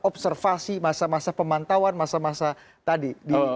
observasi masa masa pemantauan masa masa tadi